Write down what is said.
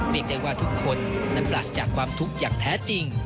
เรียกได้ว่าทุกคนนั้นปราศจากความทุกข์อย่างแท้จริง